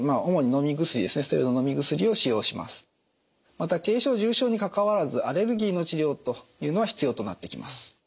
また軽症重症にかかわらずアレルギーの治療というのは必要となってきます。